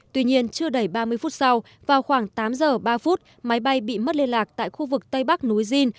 tuy nhiên chưa đẩy ba mươi phút sau vào khoảng tám h ba phút máy bay bị mất liên lạc tại khu vực tây bắc núi dinh